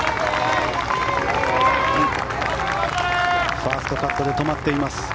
ファーストカットで止まっています。